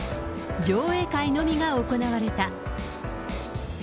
上映会のみが行われた。